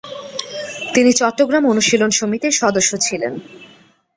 তিনি চট্টগ্রাম অনুশীলন সমিতির সদস্য ছিলেন।